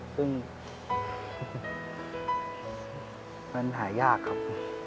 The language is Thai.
ซึ่งมันหายากครับ